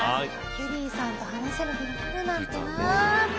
キュリーさんと話せる日が来るなんてなあ。